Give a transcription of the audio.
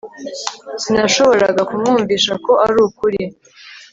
Sinashoboraga kumwumvisha ko arukuri